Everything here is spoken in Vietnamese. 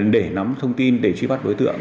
để nắm thông tin để truy bắt đối tượng